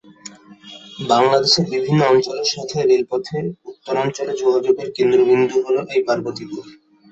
বাংলাদেশের বিভিন্ন অঞ্চলের সাথে রেলপথে উত্তরাঞ্চলের যোগাযোগের কেন্দ্রবিন্দু হলো এই পার্বতীপুর।